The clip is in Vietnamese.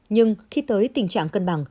nhưng khi tới tình trạng cân bằng